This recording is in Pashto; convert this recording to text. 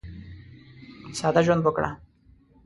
ساده ژوند وکړه.